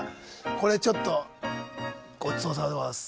これちょっとごちそうさまでございます。